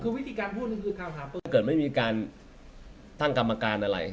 คือวิธีการพูดก็คือกล่าวหาปืนเกิดไม่มีการตั้งกรรมการอะไร